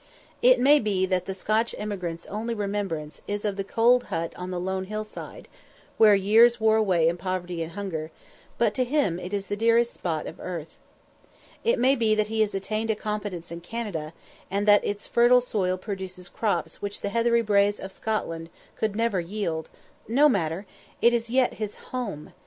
It may be that the Scotch emigrant's only remembrance is of the cold hut on the lone hill side, where years wore away in poverty and hunger, but to him it is the dearest spot of earth. It may be that he has attained a competence in Canada, and that its fertile soil produces crops which the heathery braes of Scotland would never yield no matter, it is yet his _home!